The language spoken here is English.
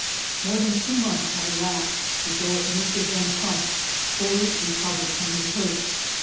More than two months had elapsed before Mr. Van Trump fully recovered from his hurts.